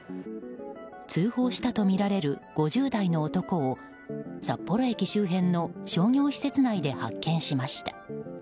通報したとみられる５０代の男を札幌駅周辺の商業施設内で発見しました。